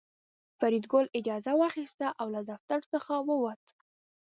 فریدګل اجازه واخیسته او له دفتر څخه ووت